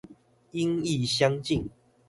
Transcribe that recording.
音亦相近